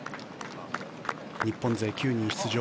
日本勢、９人出場。